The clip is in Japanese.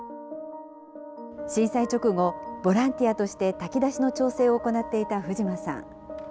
震災直後、ボランティアとして炊き出しの調整を行っていた藤間さん。